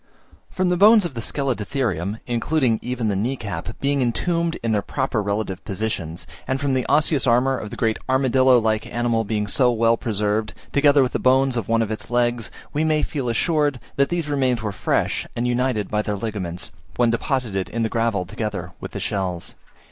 From the bones of the Scelidotherium, including even the knee cap, being intombed in their proper relative positions, and from the osseous armour of the great armadillo like animal being so well preserved, together with the bones of one of its legs, we may feel assured that these remains were fresh and united by their ligaments, when deposited in the gravel together with the shells.